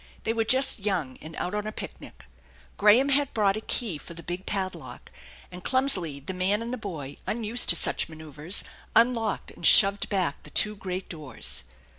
They were just young and out on a picnic. Graham had brought a key for the big padlock ; and clum sily the man and the boy, unused to such manoeuvres, unlocked and shoved back the two great doors.